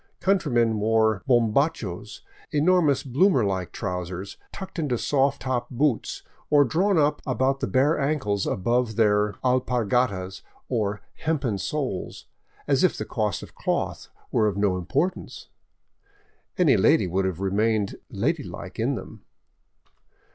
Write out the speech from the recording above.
Countrymen wore homhachos, enormous bloomer like trousers, tucked into soft top boots or drawn up about the bare ankles above their alpargatas, or hempen soles, as if the cost of cloth were of no importance. Any lady would have remained ladylike in them.